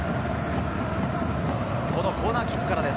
このコーナーキックからです。